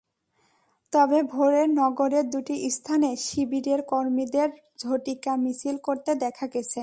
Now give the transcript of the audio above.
তবে ভোরে নগরের দুটি স্থানে শিবিরের কর্মীদের ঝটিকা মিছিল করতে দেখা গেছে।